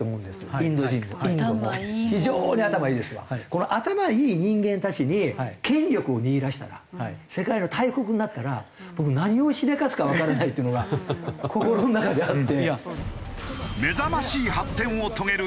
この頭いい人間たちに権力を握らせたら世界の大国になったら僕何をしでかすかわからないというのが心の中であって。